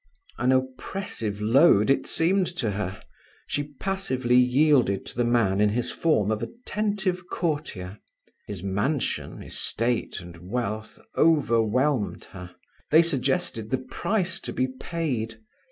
An oppressive load it seemed to her! She passively yielded to the man in his form of attentive courtier; his mansion, estate, and wealth overwhelmed her. They suggested the price to be paid.